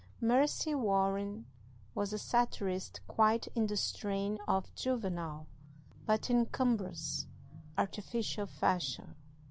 Mercy Warren was a satirist quite in the strain of Juvenal, but in cumbrous, artificial fashion.